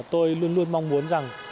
tôi luôn luôn mong muốn rằng